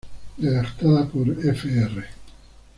Redactada por Fr.